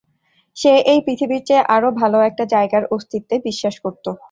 সে এই পৃথিবীর চেয়ে আরও ভালো একটা জায়গার অস্তিত্বে বিশ্বাস করত।